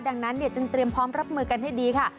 ดังนั้นจึงเตรียมพร้อมรับมือกันให้ดีค่ะ